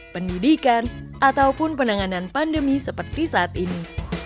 pendidikan ataupun penanganan pandemi seperti saat ini